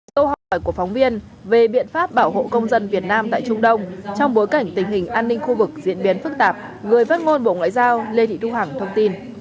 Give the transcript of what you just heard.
câu hỏi của phóng viên về biện pháp bảo hộ công dân việt nam tại trung đông trong bối cảnh tình hình an ninh khu vực diễn biến phức tạp người phát ngôn bộ ngoại giao lê thị thu hằng thông tin